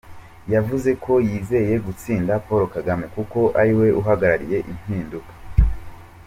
Yavuze Ko yizeye gutsinda Paul Kagame kuko ari we uhagarariye impinduka.